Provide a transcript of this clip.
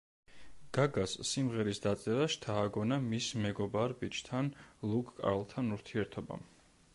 გაგას სიმღერის დაწერა შთააგონა მის მეგობარ ბიჭთან ლუკ კარლთან ურთიერთობამ.